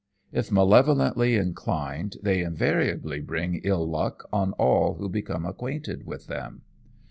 If malevolently inclined, they invariably bring ill luck on all who become acquainted with them.